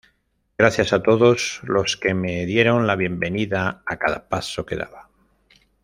Gracias a todos los que me dieron la bienvenida a cada paso que daba.